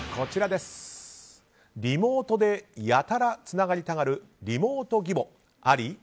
リモートでやたらつながりたがるリモート義母あり？